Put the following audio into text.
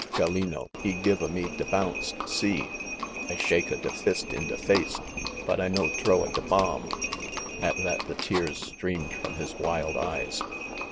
Gallino he give a me da bounce, si! I shake a da fist in da face ; bot I no t'row a da bomb !" At that the tears streamed from his wild eyes.